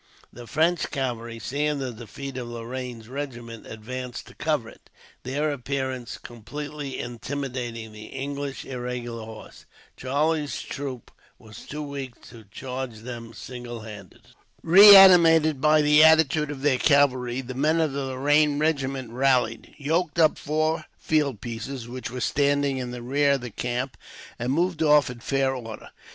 The French cavalry, seeing the defeat of Lorraine's regiment, advanced to cover it, their appearance completely intimidating the English irregular horse. Charlie's troop were too weak to charge them single handed. Reanimated by the attitude of their cavalry, the men of the Lorraine regiment rallied, yoked up four field pieces which were standing in the rear of the camp, and moved off in fair order.